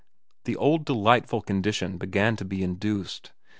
The old delightful condition began to be induced.